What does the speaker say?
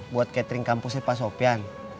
buat catering kampusnya pak sofian